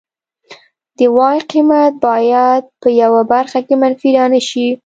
د وای قیمت باید په یوه برخه کې منفي را نشي